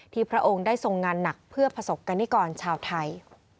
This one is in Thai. พระองค์ได้ทรงงานหนักเพื่อประสบกรณิกรชาวไทย